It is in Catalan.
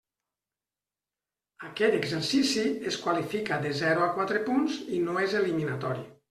Aquest exercici es qualifica de zero a quatre punts i no és eliminatori.